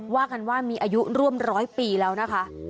ว่ากันว่ามีอายุร่วมร้อยปีแล้วนะคะ